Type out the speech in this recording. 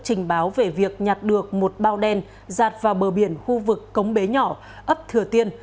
trình báo về việc nhặt được một bao đen giạt vào bờ biển khu vực cống bến nhỏ ấp thừa tiên